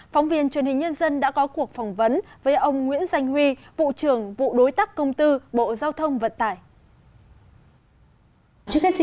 phóng viên truyền hình nhân dân đã có cuộc phỏng vấn với ông nguyễn danh huy